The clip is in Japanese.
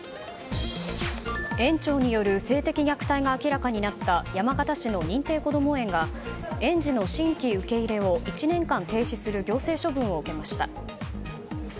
園長による性的虐待が明らかになった山形市の認定こども園が園児の新規受け入れを１年間停止する行政処分を受けました。